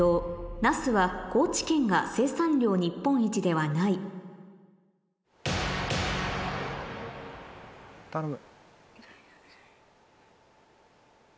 「なすは高知県が生産量日本一ではない」頼む。